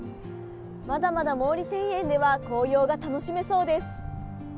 まだまだ毛利庭園では紅葉が楽しめそうです。